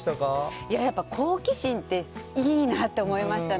いや、やっぱ好奇心って、いいなって思いましたね。